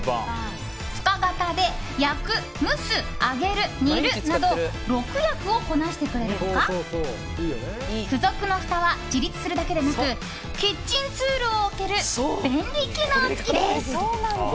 深型で焼く、蒸す、揚げる、煮るなど６役をこなしてくれる他付属のふたは自立するだけでなくキッチンツールを置ける便利機能付きです。